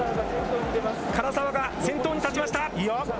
唐澤が先頭に立ちました。